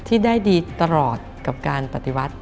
ที่ได้ดีตลอดกับการปฏิวัติ